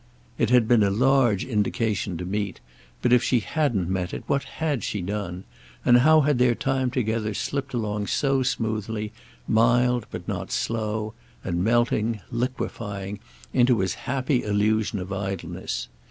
It had been a large indication to meet; but if she hadn't met it what had she done, and how had their time together slipped along so smoothly, mild but not slow, and melting, liquefying, into his happy illusion of idleness?